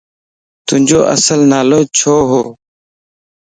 تو جو اصل نالو ڇو و؟